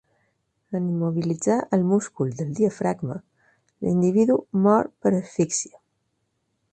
En immobilitzar el múscul del diafragma, l'individu mor per asfíxia.